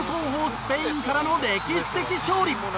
スペインからの歴史的勝利。